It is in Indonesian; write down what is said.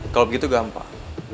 kalau begitu gampang